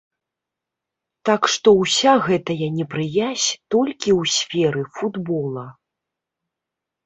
Так што ўся гэтая непрыязь толькі ў сферы футбола.